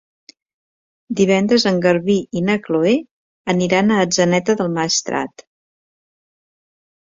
Divendres en Garbí i na Chloé aniran a Atzeneta del Maestrat.